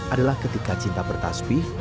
adalah ketika cinta bertaspih